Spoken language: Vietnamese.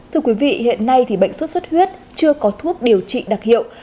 thưa quý vị hiện nay thì bệnh xuất xuất huyết chưa có thuốc điều trị đặc hiệu